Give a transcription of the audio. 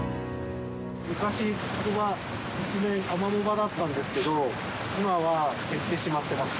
昔、ここは一面アマモ場だったんですけど、今は減ってしまっています。